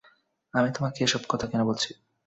আমি তোমাকে এসব কথা কেন বলছি?